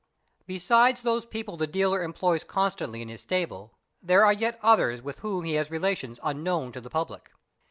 Besides those people the dealer employs constantly in his stable, there are yet others with whom he has relations unknown to the public.